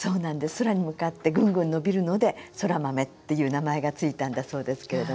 空に向かってぐんぐん伸びるのでそら豆っていう名前が付いたんだそうですけれども。